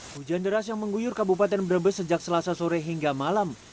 hujan deras yang mengguyur kabupaten brebes sejak selasa sore hingga malam